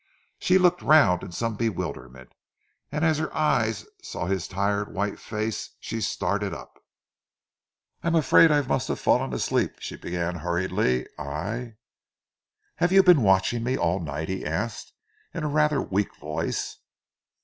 She looked round in some bewilderment, and as her eyes saw his tired, white face, she started up. "I am afraid I must have fallen asleep," she began hurriedly. "I " "Have you been watching me all night?" he asked in a rather weak voice.